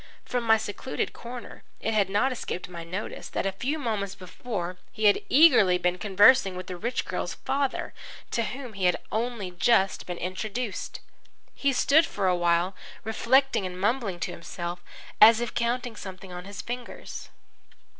From my secluded corner it had not escaped my notice that a few moments before he had been eagerly conversing with the rich girl's father, to whom he had only just been introduced. He stood still for a while reflecting and mumbling to himself, as if counting something on his fingers.